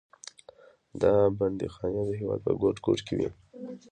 دا بندیخانې د هېواد په ګوټ ګوټ کې وې.